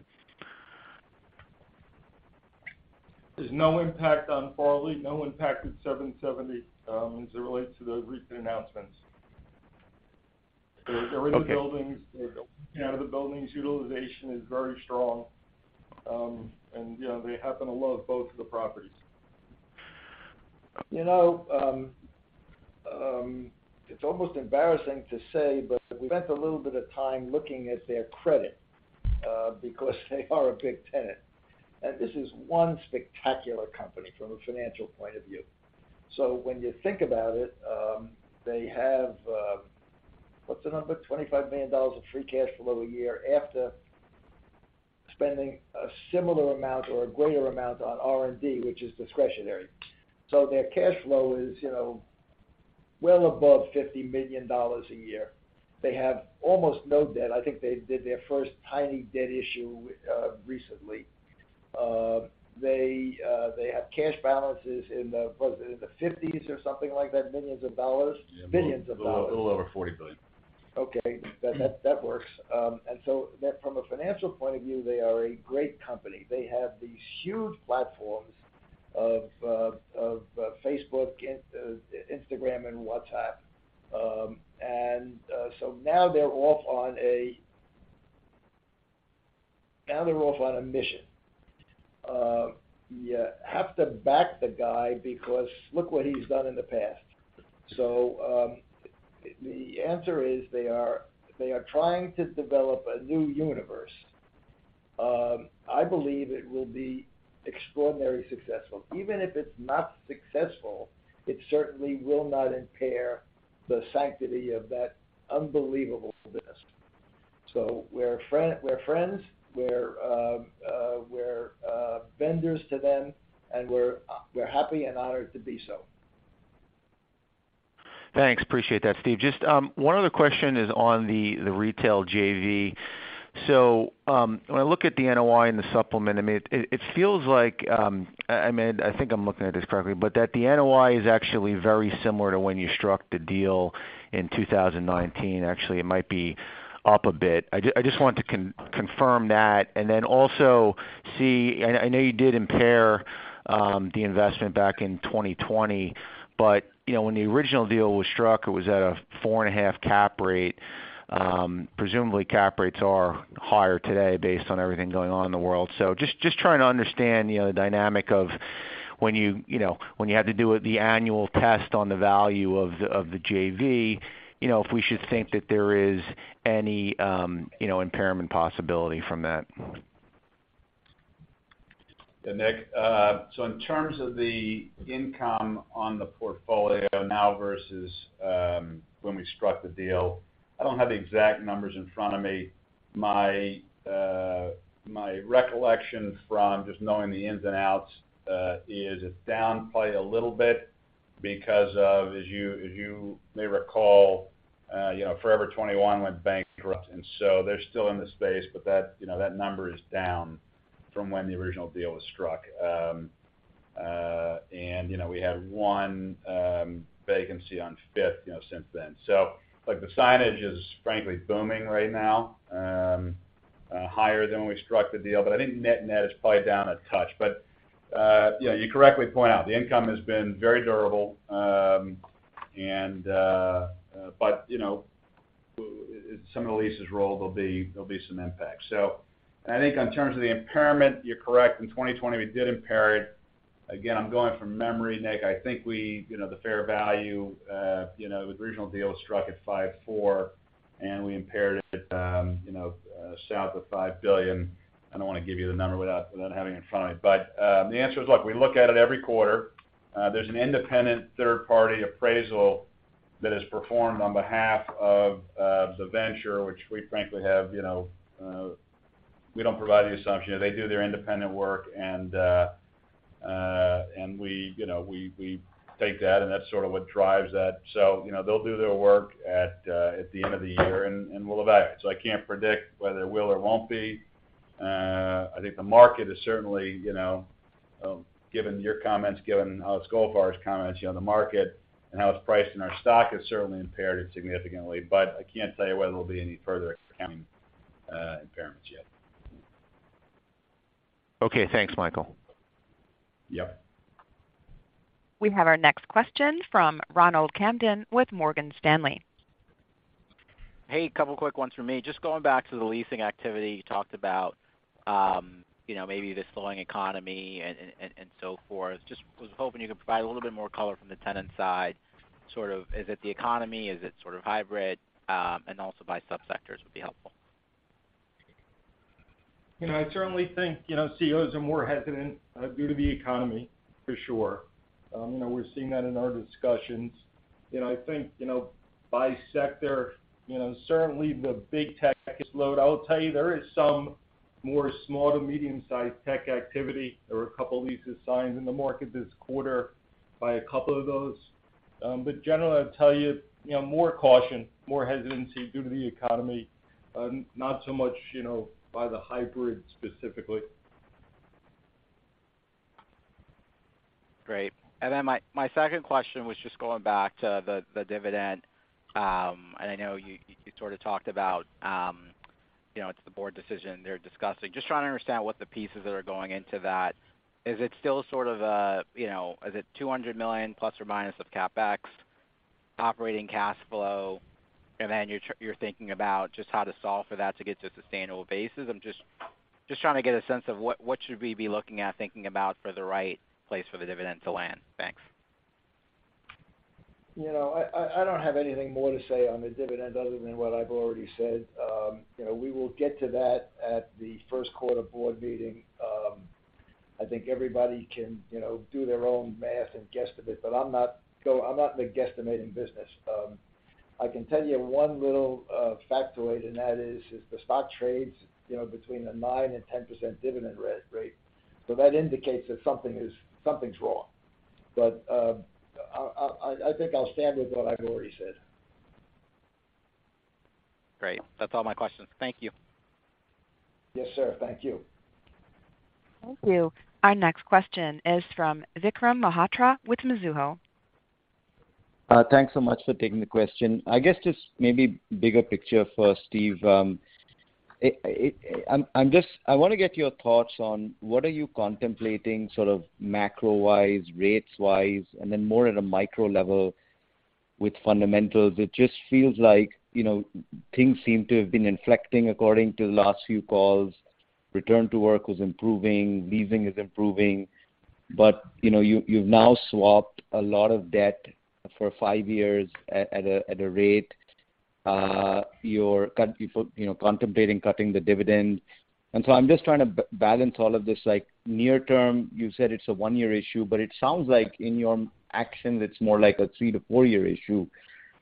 There's no impact on Farley, no impact at Seven Seventy, as it relates to the recent announcements. Okay. They're in the buildings. You know, the buildings' utilization is very strong. You know, they happen to love both of the properties. You know, it's almost embarrassing to say, but we spent a little bit of time looking at their credit, because they are a big tenant, and this is one spectacular company from a financial point of view. So when you think about it, they have, what's the number? $25 million of free cash flow a year after spending a similar amount or a greater amount on R&D, which is discretionary. So their cash flow is, you know, well above $50 million a year. They have almost no debt. I think they did their first tiny debt issue recently. They have cash balances in the, was it in the fifties or something like that? Millions of dollars. Billions of dollars. Yeah. A little over $40 billion. Okay. That works. From a financial point of view, they are a great company. They have these huge platforms of Facebook, Instagram, and WhatsApp. Now they're off on a mission. You have to back the guy because look what he's done in the past. The answer is they are trying to develop a new universe. I believe it will be extraordinary successful. Even if it's not successful, it certainly will not impair the sanctity of that unbelievable business. We're friends, we're vendors to them, and we're happy and honored to be so. Thanks. Appreciate that, Steve. Just one other question is on the retail JV. When I look at the NOI in the supplement, I mean, it feels like. I mean, I think I'm looking at this correctly, but that the NOI is actually very similar to when you struck the deal in 2019. Actually, it might be up a bit. I just wanted to confirm that. I know you did impair the investment back in 2020, but you know, when the original deal was struck, it was at a 4.5 cap rate. Presumably cap rates are higher today based on everything going on in the world. Just trying to understand, you know, the dynamic of when you had to do it, the annual test on the value of the JV, you know, if we should think that there is any, you know, impairment possibility from that. Yeah, Nick. In terms of the income on the portfolio now versus when we struck the deal, I don't have the exact numbers in front of me. My recollection from just knowing the ins and outs is it's down probably a little bit because of, as you may recall, you know, Forever 21 went bankrupt. They're still in the space, but that, you know, that number is down from when the original deal was struck. You know, we had one vacancy on Fifth Avenue, you know, since then. Look, the signage is frankly booming right now, higher than when we struck the deal, but I think net-net is probably down a touch. You know, you correctly point out the income has been very durable. You know, some of the leases rolled, there'll be some impact. I think in terms of the impairment, you're correct. In 2020, we did impair it. Again, I'm going from memory, Nick. I think we... You know, the fair value, you know, the original deal was struck at $5.4 billion, and we impaired it, you know, south of $5 billion. I don't wanna give you the number without having it in front of me. The answer is, look, we look at it every quarter. There's an independent third party appraisal that is performed on behalf of the venture, which we frankly have, you know. We don't provide any assumption. They do their independent work, and we, you know, we take that, and that's sort of what drives that. You know, they'll do their work at the end of the year, and we'll evaluate. I can't predict whether it will or won't be. I think the market is certainly, you know, given your comments, given how it's going as far as comments, you know, the market and how it's priced in our stock has certainly impaired it significantly. I can't tell you whether there'll be any further accounting impairments yet. Okay. Thanks, Michael. Yep. We have our next question from Ronald Kamdem with Morgan Stanley. Hey, couple quick ones from me. Just going back to the leasing activity. You talked about, you know, maybe the slowing economy and so forth. Just was hoping you could provide a little bit more color from the tenant side, sort of is it the economy? Is it sort of hybrid? And also by subsectors would be helpful. You know, I certainly think, you know, CEOs are more hesitant due to the economy, for sure. You know, we're seeing that in our discussions. You know, I think, you know, by sector, you know, certainly the big tech lull. I will tell you there is some more small to medium-sized tech activity. There were a couple leases signed in the market this quarter by a couple of those, but generally, I'd tell you know, more caution, more hesitancy due to the economy, not so much, you know, by the hybrid specifically. Great. Then my second question was just going back to the dividend. I know you sort of talked about, you know, it's the board decision they're discussing. Just trying to understand what the pieces that are going into that. Is it still sort of a, you know, is it $200 million ± of CapEx, operating cash flow? You're thinking about just how to solve for that to get to a sustainable basis. I'm just trying to get a sense of what should we be looking at, thinking about for the right place for the dividend to land. Thanks. You know, I don't have anything more to say on the dividend other than what I've already said. You know, we will get to that at the first quarter board meeting. I think everybody can, you know, do their own math and guesstimate, but I'm not in the guesstimating business. I can tell you one little factoid, and that is, if the stock trades, you know, between 9% and 10% dividend rate, so that indicates that something's wrong. I think I'll stand with what I've already said. Great. That's all my questions. Thank you. Yes, sir. Thank you. Thank you. Our next question is from Vikram Malhotra with Mizuho. Thanks so much for taking the question. I guess just maybe bigger picture first, Steve. I wanna get your thoughts on what are you contemplating sort of macro-wise, rates-wise, and then more at a micro level with fundamentals. It just feels like, you know, things seem to have been inflecting according to the last few calls. Return to work was improving, leasing is improving. You know, you've now swapped a lot of debt for five years at a rate. You're contemplating cutting the dividend. I'm just trying to balance all of this, like, near term, you said it's a one-year issue, but it sounds like in your actions, it's more like a three to four-year issue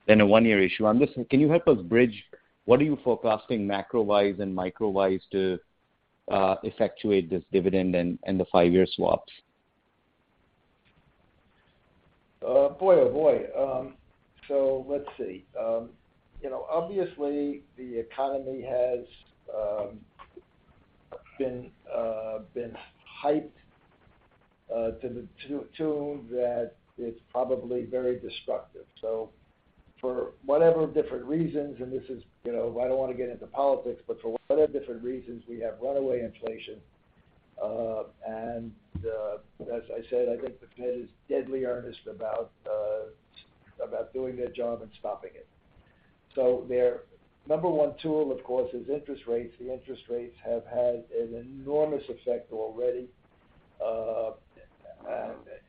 than a one-year issue. I'm just Can you help us bridge what are you forecasting macro-wise and micro-wise to effectuate this dividend and the five-year swaps? Boy, oh, boy. So let's see. You know, obviously, the economy has been hyped to the point that it's probably very destructive. For whatever different reasons, and this is, you know, I don't wanna get into politics, but for whatever different reasons, we have runaway inflation. As I said, I think the Fed is deadly earnest about doing their job and stopping it. Their number one tool, of course, is interest rates. The interest rates have had an enormous effect already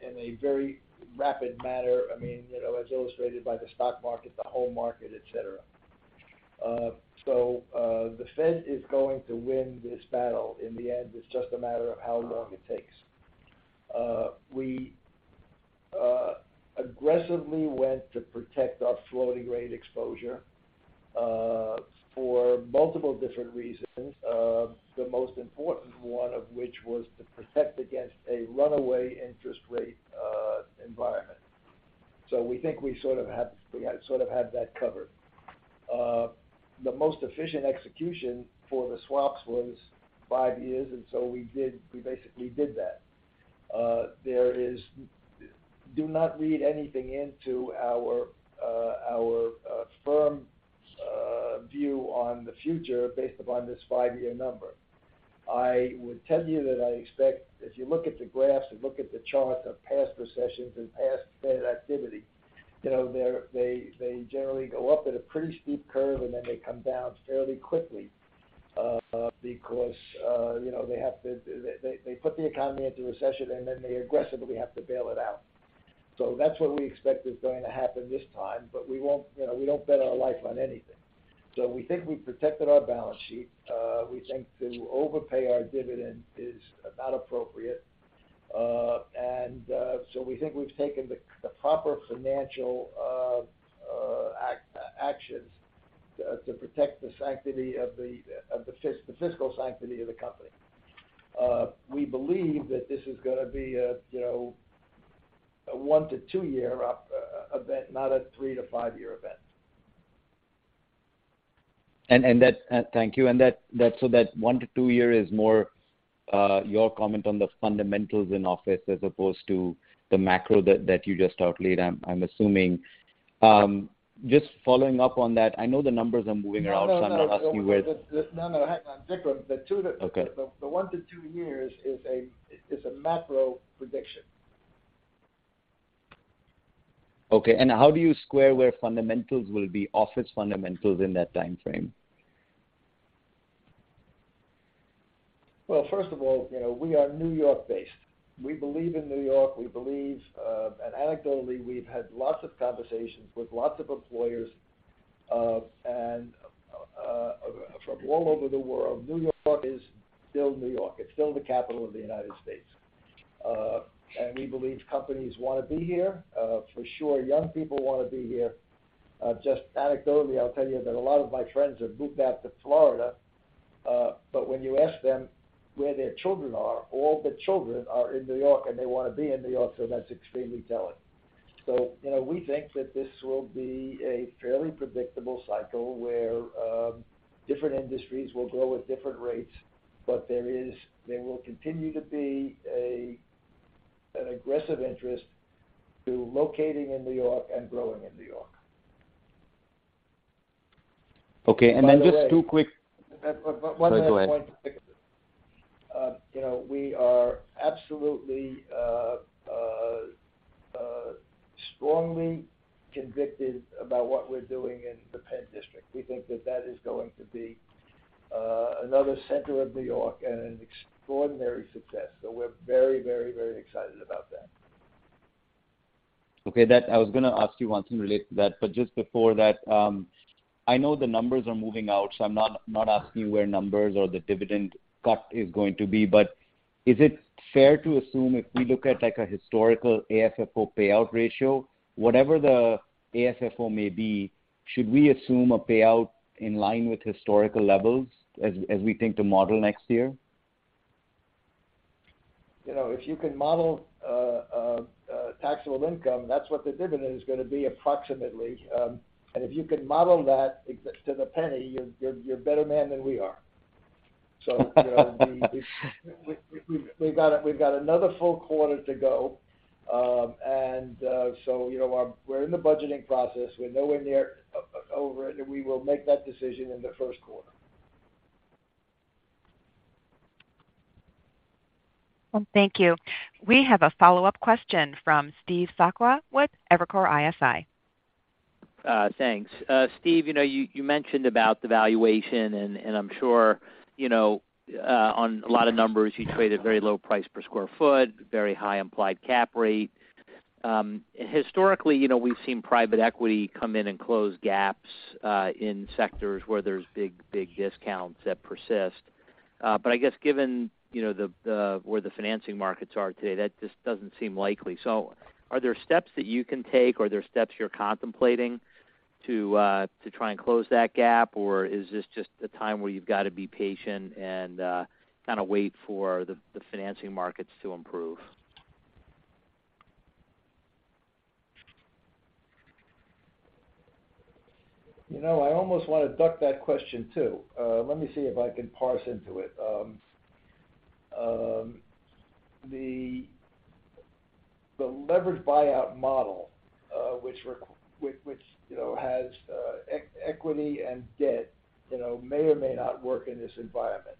in a very rapid manner, I mean, you know, as illustrated by the stock market, the housing market, et cetera. The Fed is going to win this battle in the end. It's just a matter of how long it takes. We aggressively went to protect our floating rate exposure for multiple different reasons. The most important one of which was to protect against a runaway interest rate environment. We think we sort of have that covered. The most efficient execution for the swaps was five years, and so we basically did that. Do not read anything into our firm view on the future based upon this five-year number. I would tell you that I expect, if you look at the graphs and look at the charts of past recessions and past Fed activity, you know, they generally go up at a pretty steep curve, and then they come down fairly quickly, because, you know, they have to. They put the economy into recession, and then they aggressively have to bail it out. That's what we expect is going to happen this time, but we won't, you know, we don't bet our life on anything. We think we protected our balance sheet. We think to overpay our dividend is not appropriate. We think we've taken the proper financial actions to protect the sanctity of the financial sanctity of the company. We believe that this is gonna be a, you know, a 1-2-year event, not a 3-5-year event. Thank you. That one- to two-year is more your comment on the fundamentals in office as opposed to the macro that you just outlined, I'm assuming. Just following up on that, I know the numbers are moving around. No, no. I'm not asking where. No, no. Hang on, Vikram. The two to Okay. The 1-2 years is a macro prediction. Okay. How do you square where fundamentals will be office fundamentals in that timeframe? Well, first of all, you know, we are New York-based. We believe in New York. We believe, and anecdotally, we've had lots of conversations with lots of employers, from all over the world. New York is still New York. It's still the capital of the United States. We believe companies wanna be here. For sure, young people wanna be here. Just anecdotally, I'll tell you that a lot of my friends have moved back to Florida. When you ask them where their children are, all the children are in New York, and they wanna be in New York, so that's extremely telling. You know, we think that this will be a fairly predictable cycle where different industries will grow at different rates, but there is... There will continue to be an aggressive interest in locating in New York and growing in New York. Okay. Just two quick- By the way. Sorry, go ahead. One other point, Vikram. You know, we are absolutely strongly convicted about what we're doing in the PENN District. We think that that is going to be another center of New York and an extraordinary success. We're very, very, very excited about that. Okay. Just before that, I know the numbers are moving out, so I'm not asking you what the numbers or the dividend cut is going to be. Is it fair to assume, if we look at, like, a historical AFFO payout ratio, whatever the AFFO may be, should we assume a payout in line with historical levels as we think to model next year? You know, if you can model taxable income, that's what the dividend is gonna be, approximately. We're in the budgeting process. We're nowhere near over it, and we will make that decision in the first quarter. Thank you. We have a follow-up question from Steve Sakwa with Evercore ISI. Thanks. Steve, you know, you mentioned about the valuation, and I'm sure you know, on a lot of numbers, you trade at very low price per square foot, very high implied cap rate. Historically, you know, we've seen private equity come in and close gaps, in sectors where there's big discounts that persist. I guess given, you know, the where the financing markets are today, that just doesn't seem likely. Are there steps that you can take, are there steps you're contemplating to try and close that gap? Is this just a time where you've gotta be patient and kinda wait for the financing markets to improve? You know, I almost wanna duck that question, too. Let me see if I can parse into it. The leveraged buyout model, which you know has equity and debt, you know, may or may not work in this environment.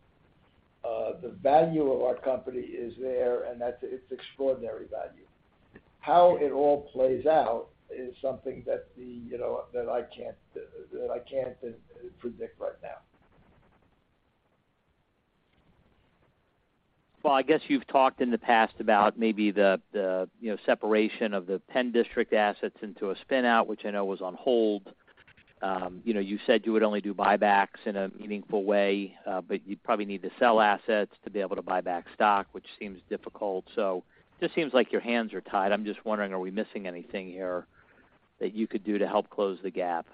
The value of our company is there, and that's its extraordinary value. How it all plays out is something that you know that I can't predict right now. Well, I guess you've talked in the past about maybe the you know, separation of the PENN District assets into a spin out, which I know was on hold. You know, you said you would only do buybacks in a meaningful way, but you'd probably need to sell assets to be able to buy back stock, which seems difficult. Just seems like your hands are tied. I'm just wondering, are we missing anything here that you could do to help close the gap?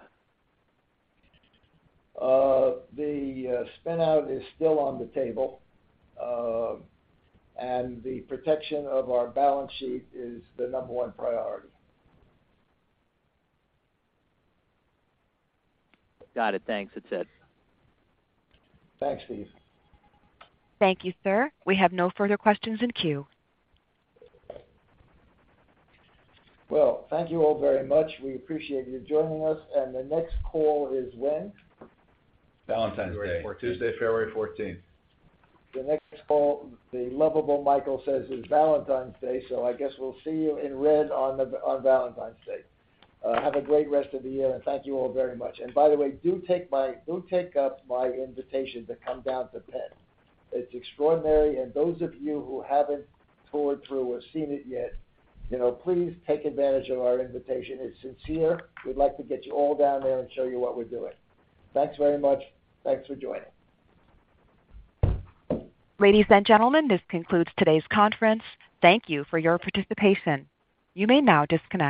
The spin out is still on the table, and the protection of our balance sheet is the number one priority. Got it. Thanks. That's it. Thanks, Steve. Thank you, sir. We have no further questions in queue. Well, thank you all very much. We appreciate you joining us. The next call is when? Valentine's Day. February fourteenth. Tuesday, February fourteenth. The next call, the lovable Michael says is Valentine's Day, so I guess we'll see you in red on Valentine's Day. Have a great rest of the year, and thank you all very much. By the way, do take up my invitation to come down to PENN. It's extraordinary. Those of you who haven't toured through or seen it yet, you know, please take advantage of our invitation. It's sincere. We'd like to get you all down there and show you what we're doing. Thanks very much. Thanks for joining. Ladies and gentlemen, this concludes today's conference. Thank you for your participation. You may now disconnect.